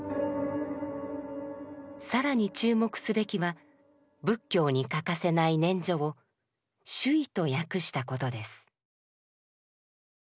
更に注目すべきは仏教に欠かせない念処を「守意」と訳したことです。